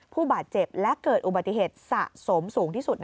ผู้บาดเจ็บและเกิดอุบัติเหตุสะสมสูงที่สุด